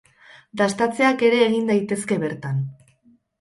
Dastatzeak ere egin daitezke bertan.